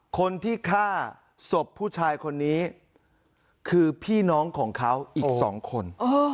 คนที่ฆ่าศพผู้ชายคนนี้คือพี่น้องของเขาอีก๒คน